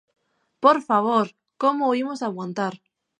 ¡Por favor, como o imos aguantar!